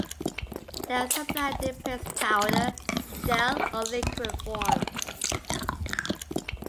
They are supplied in paste, powder, gel or liquid form.